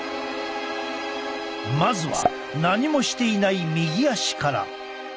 まずは何もしていない右足から。